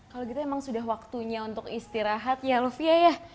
kalau gitu emang sudah waktunya untuk istirahat ya lufia ya